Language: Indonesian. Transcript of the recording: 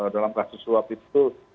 dalam kasus suap itu